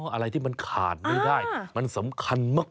อะไรที่มันขาดไม่ได้มันสำคัญมาก